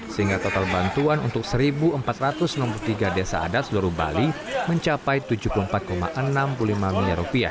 sehingga total bantuan untuk pembinaan ini akan menjadi lima puluh juta rupiah